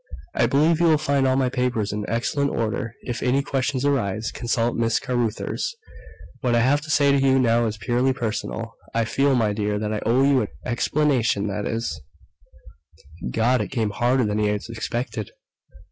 I believe you will find all of my papers in excellent order. If any questions arise, consult Miss Carruthers. What I have to say to you now is purely personal I feel, my dear, that I owe you an explanation that is " God, it came harder than he had expected.